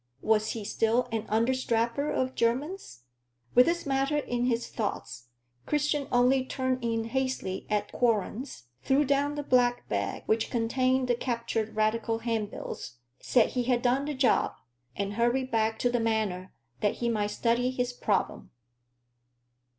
Was he still an understrapper of Jermyn's? With this matter in his thoughts, Christian only turned in hastily at Quorlen's, threw down the black bag which contained the captured Radical handbills, said he had done the job, and hurried back to the Manor that he might study his problem.